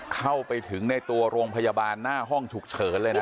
เข้าไปถึงในตัวโรงพยาบาลหน้าห้องฉุกเฉินเลยนะ